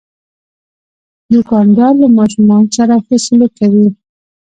دوکاندار له ماشومان سره ښه سلوک کوي.